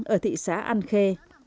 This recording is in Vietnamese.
ở thị xã an khe